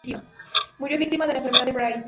Murió víctima de la enfermedad de Bright.